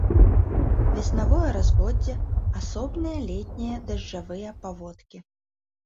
Веснавое разводдзе, асобныя летнія дажджавыя паводкі.